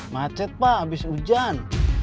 macet pak abis hujan